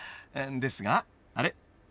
［ですがあれ？